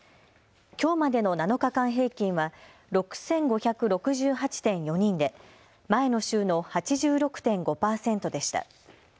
きょうまでの７日間平均は６５６８．４人で前の週の８６．５％でした。